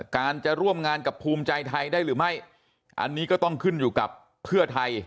การจะร่วมงานกับภูมิใจไทยได้หรือไม่อันนี้ก็ต้องขึ้นอยู่กับเพื่อไทย